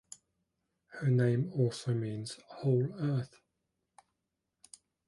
Her name also means "Whole Earth".